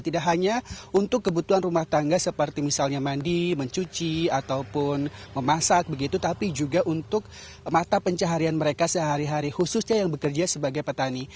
tidak hanya untuk kebutuhan rumah tangga seperti misalnya mandi mencuci ataupun memasak begitu tapi juga untuk mata pencaharian mereka sehari hari khususnya yang bekerja sebagai petani